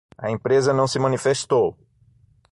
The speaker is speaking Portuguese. A empresa não se manifestou